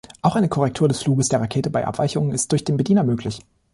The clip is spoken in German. Auch eine Korrektur des Fluges der Rakete bei Abweichungen ist durch den Bediener möglich.